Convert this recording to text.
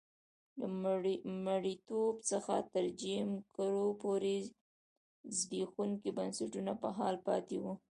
له مریتوب څخه تر جیم کرو پورې زبېښونکي بنسټونه په حال پاتې وو.